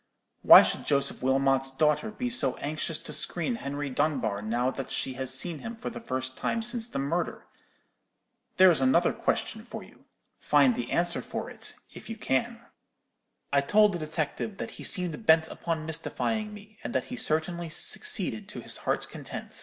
Why should Joseph Wilmot's daughter be so anxious to screen Henry Dunbar now that she has seen him for the first time since the murder? There's another question for you. Find the answer for it, if you can. "I told the detective that he seemed bent upon mystifying me, and that he certainly succeeded to his heart's content.